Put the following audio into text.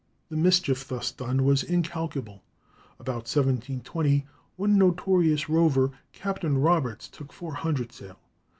The mischief thus done was incalculable. About 1720, one notorious rover, Captain Roberts, took four hundred sail.